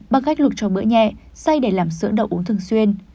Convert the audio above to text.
bằng cách luộc cho bữa nhẹ say để làm sữa đậu uống thường xuyên